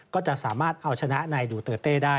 ก็จะสามารถเอาชนะในดูเตอร์เต้ได้